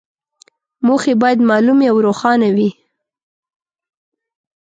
موخې باید معلومې او روښانه وي.